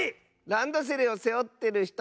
ランドセルをせおってるひと！